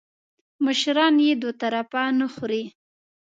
مشران یې دوه طرفه نه خوري .